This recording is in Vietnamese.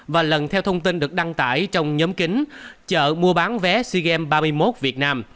và lần theo thông tin được đăng tải trong nhóm kính chợ mua bán vé sea games ba mươi một việt nam